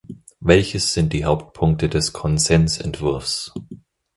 Welches sind die Hauptpunkte des Konsensentwurfs?